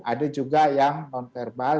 ada juga yang non verbal